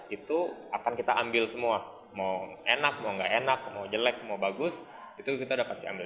itu akan kita ambil semua mau enak mau nggak enak mau jelek mau bagus itu kita udah pasti ambil